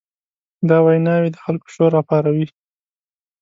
دا ویناوې د خلکو شور راپاروي.